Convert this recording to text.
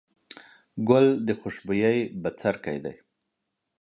ګل د خوشبويي بڅرکی دی.